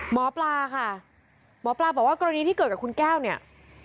หมอปลาค่ะหมอปลาบอกว่ากรณีที่เกิดกับคุณแก้วเนี่ย